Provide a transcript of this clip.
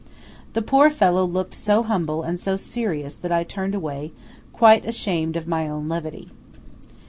The poor fellow looked so humble and so serious that I turned away, quite ashamed of my own levity.